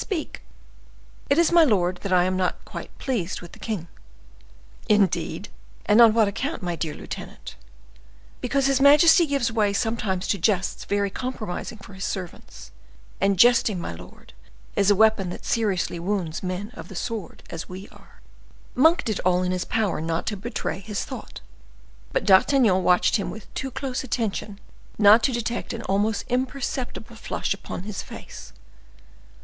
Speak!" "It is, my lord, that I am not quite pleased with the king." "Indeed! And on what account, my dear lieutenant?" "Because his majesty gives way sometimes to jests very compromising for his servants; and jesting, my lord, is a weapon that seriously wounds men of the sword, as we are." Monk did all in his power not to betray his thought, but D'Artagnan watched him with too close attention not to detect an almost imperceptible flush upon his face.